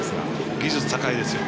技術高いですよ。